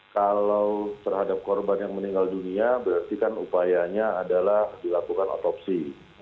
kalau terhadap korban yang meninggal dunia berarti kan upayanya adalah dilakukan otopsi